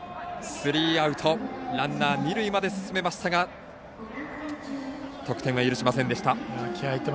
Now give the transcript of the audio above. スリーアウトランナー、二塁まで進めましたが得点は許しませんでした。